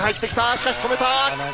しかし止めた。